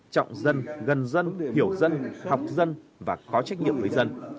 trọng dân gần dân hiểu dân học dân và có trách nhiệm với dân